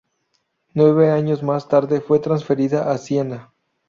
Nueve años más tarde fue transferida a Siena.